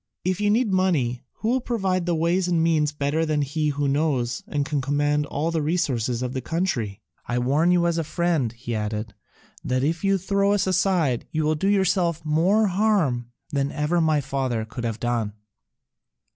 If you need money, who will provide the ways and means better than he who knows and can command all the resources of the country? I warn you as a friend," he added, "that if you throw us aside you will do yourself more harm than ever my father could have done."